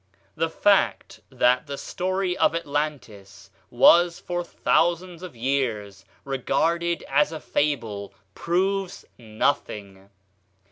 The fact that the story of Atlantis was for thousands of years regarded as a fable proves nothing.